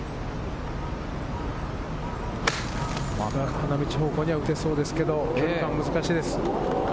花道方向には打てそうですけれど距離が難しいです。